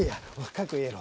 かっこええやろ。